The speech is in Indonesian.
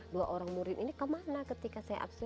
dua orang murid ini kemana ketika saya absur